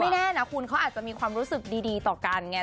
แน่นะคุณเขาอาจจะมีความรู้สึกดีต่อกันไง